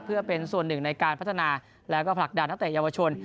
เพื่อเป็นส่วนหนึ่งในการพัฒนาแล้วก็ผลักดันนักเตะเยาวชน